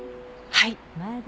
はい。